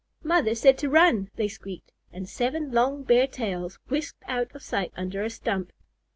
"Mother said to run," they squeaked, and seven long bare tails whisked out of sight under a stump.